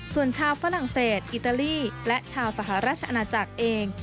ส่วนชาวฝรั่งเศสอิตาลีและชาวสหราชอาณาจักรเอง